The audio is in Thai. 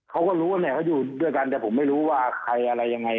เขาก็รู้ว่าเนี่ยเขาอยู่ด้วยกันแต่ผมไม่รู้ว่าใครอะไรยังไง